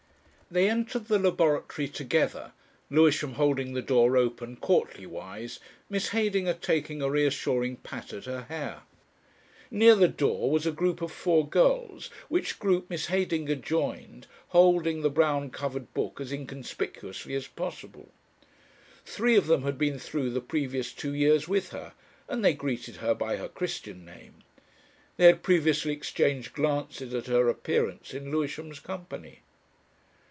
They entered the laboratory together, Lewisham holding the door open courtly wise, Miss Heydinger taking a reassuring pat at her hair. Near the door was a group of four girls, which group Miss Heydinger joined, holding the brown covered book as inconspicuously as possible. Three of them had been through the previous two years with her, and they greeted her by her Christian name. They had previously exchanged glances at her appearance in Lewisham's company.